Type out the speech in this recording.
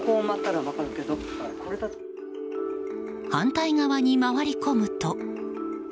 反対側に回り込むと。